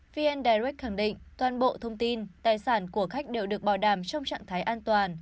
vn direct khẳng định toàn bộ thông tin tài sản của khách đều được bảo đảm trong trạng thái an toàn